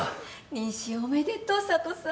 妊娠おめでとう佐都さん。